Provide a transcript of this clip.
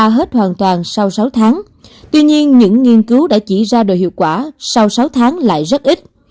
hoàn toàn sau sáu tháng tuy nhiên những nghiên cứu đã chỉ ra đội hiệu quả sau sáu tháng lại rất ít